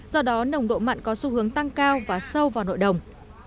do đó nồng độ mặn có xu hướng tăng cao và sâu vào nội đồng